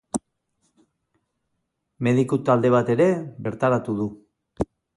Mediku talde bat ere bertaratu du.